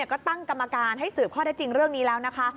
ก็ตั้งกรรมการให้สืบข้อได้จริงเรื่องนี้แล้วนะคะ